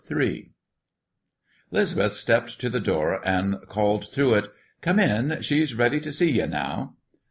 III 'Lisbeth stepped to the door and called through it: "Come in: she's ready to see ye now."